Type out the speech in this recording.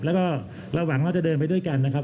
แล้วก็เราหวังว่าจะเดินไปด้วยกันนะครับ